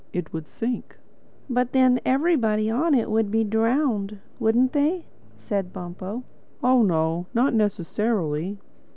It would sink." "But then everybody on it would be drowned, wouldn't they?" said Bumpo. "Oh no, not necessarily.